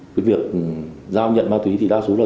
cái việc giao nhận ma túy thì đa số là